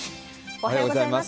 おはようございます。